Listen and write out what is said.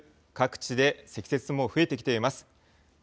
各地で積雪も増えてきています。